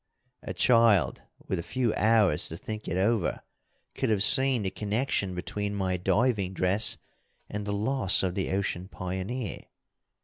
A child, with a few hours to think it over, could have seen the connection between my diving dress and the loss of the Ocean Pioneer.